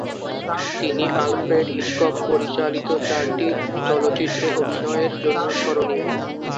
তিনি Alfred Hitchcock পরিচালিত চারটি চলচ্চিত্রে অভিনয়ের জন্য স্মরণীয়।